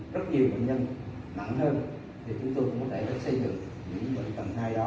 rất nhiều bệnh nhân nặng thêm thì chúng tôi cũng có thể xây dựng những bệnh tầng hai đó